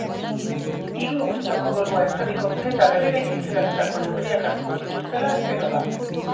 Hiru egunetako dolua ezarriko dute eta berreraikitze lanetarako neurriak hartuko dituztela espero da.